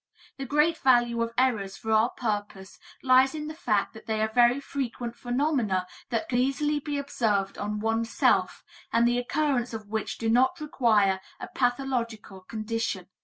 The great value of errors for our purpose lies in the fact that they are very frequent phenomena that can easily be observed on oneself and the occurrence of which do not require a pathological condition.